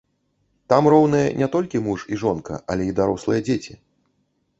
Там роўныя не толькі муж і жонка, але і дарослыя дзеці.